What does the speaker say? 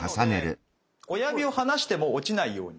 なので親指を離しても落ちないように。